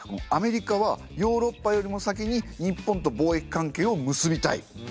アメリカはヨーロッパよりも先に日本と貿易関係を結びたい。